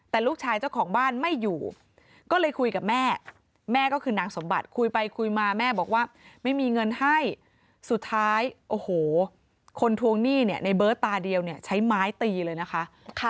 แต่ลูกชายเจ้าของบ้านไม่อยู่ก็เลยคุยกับแม่แม่ก็คือนางสมบัติคุยไปคุยมาแม่บอกว่าไม่มีเงินให้สุดท้ายโอ้โหคนทวงหนี้เนี่ยในเบิร์ตตาเดียวเนี่ยใช้ไม้ตีเลยนะคะ